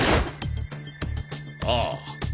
ああ。